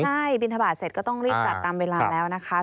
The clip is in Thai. ใช่บินทบาทเสร็จก็ต้องรีบจัดตามเวลาแล้วนะคะ